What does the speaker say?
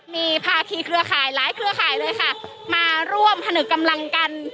มีภาคีเครือข่ายหลายเครือข่ายเลยค่ะมาร่วมผนึกกำลังกัน